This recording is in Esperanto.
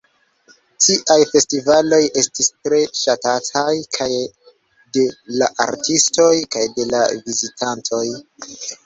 Tiaj festivaloj estis tre ŝatataj kaj de la artistoj kaj de la vizitantoj.